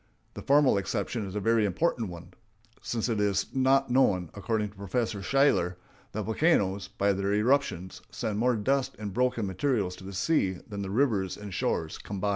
The former exception is a very important one, since it is now known, according to Professor Shaler, that volcanoes, by their eruptions, send more dust and broken materials to the seas than the rivers and shores combined.